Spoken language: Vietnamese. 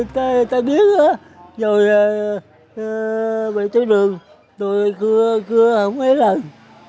bị tai điếc rồi bị chết đường rồi cưa cưa hàng mấy lần